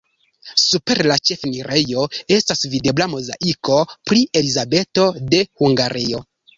Super la ĉefenirejo estas videbla mozaiko pri Elizabeto de Hungario.